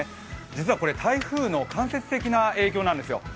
実は台風の間接的な影響なんです。